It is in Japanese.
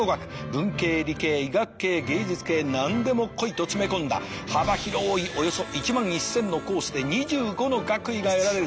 文系理系医学系芸術系何でも来いと詰め込んだ幅広いおよそ１万１，０００のコースで２５の学位が得られるという。